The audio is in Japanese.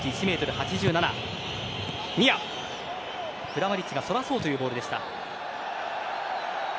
クラマリッチがそらそうというボールでした。